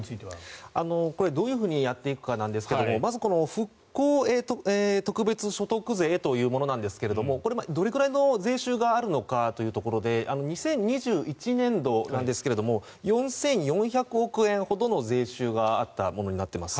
これはどうやっていくかなんですけど復興特別所得税というものですがこれ、どれくらいの税収があるのかというところで２０２１年度なんですが４４００億円ほどの税収があったものになっています。